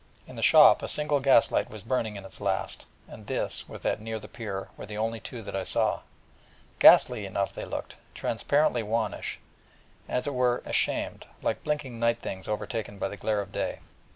In the shop a single gas light was burning its last, and this, with that near the pier, were the only two that I saw: and ghastly enough they looked, transparently wannish, and as it were ashamed, like blinking night things overtaken by the glare of day.